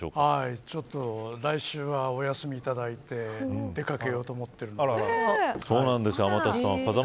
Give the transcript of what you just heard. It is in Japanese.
来週はお休みをいただいて出掛けようと思っているので。